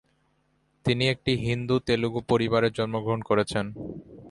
তিনি একটি হিন্দু তেলুগু পরিবারে জন্মগ্রহণ করেছেন।